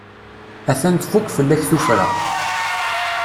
A-t-an tfukk fell-ak tuffra.